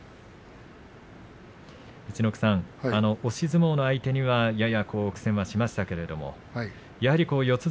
陸奥さん、押し相撲の相手にはやや苦戦をしましたけれどもやはり、四つ